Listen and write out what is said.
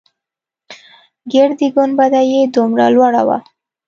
ګردۍ گنبده يې دومره لوړه وه.